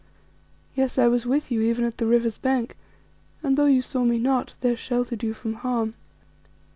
Yes, I was with you even at the river's bank, and though you saw me not, there sheltered you from harm.